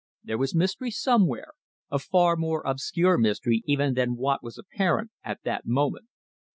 There was mystery somewhere a far more obscure mystery even than what was apparent at that moment.